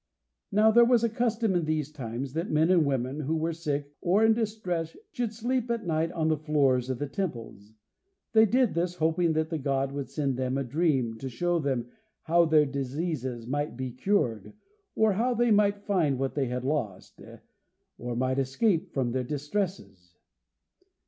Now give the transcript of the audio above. Now there was a custom in these times that men and women who were sick or in distress, should sleep at night on the floors of the temples. They did this hoping that the God would send them a dream to show them how their diseases might be cured, or how they might find what they had lost, or might escape from their distresses.